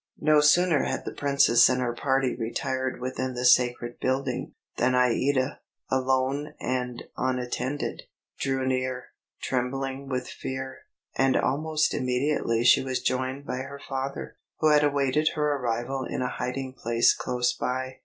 No sooner had the Princess and her party retired within the sacred building, than Aïda, alone and unattended, drew near, trembling with fear; and almost immediately she was joined by her father, who had awaited her arrival in a hiding place close by.